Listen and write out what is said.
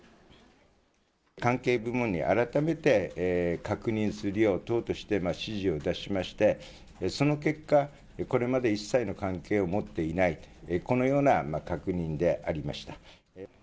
関係部門に改めて確認するよう、党として指示を出しまして、その結果、これまで一切の関係を持っていないと、このような確認でありました。